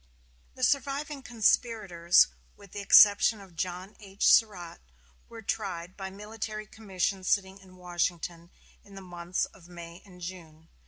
The surviving conspirators, with the exception of John H. Surratt, were tried by military commission sitting in Washington in the months of May and June.